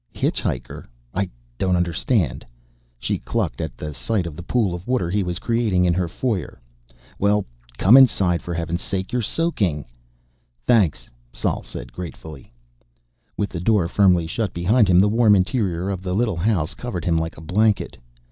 "Hitchhiker? I don't understand." She clucked at the sight of the pool of water he was creating in her foyer. "Well, come inside, for heaven's sake. You're soaking!" "Thanks," Sol said gratefully. With the door firmly shut behind him, the warm interior of the little house covered him like a blanket.